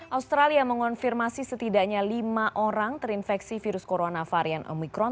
australia mengonfirmasi setidaknya lima orang terinfeksi virus corona varian omikron